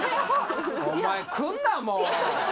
お前来んなもう！